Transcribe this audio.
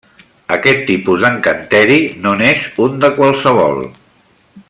Aquest tipus d'encanteri, no n’és un de qualsevol.